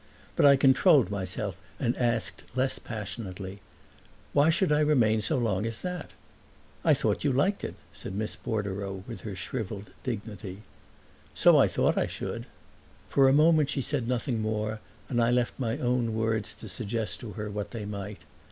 But I controlled myself and asked less passionately: "Why should I remain so long as that?" "I thought you liked it," said Miss Bordereau with her shriveled dignity. "So I thought I should." For a moment she said nothing more, and I left my own words to suggest to her what they might.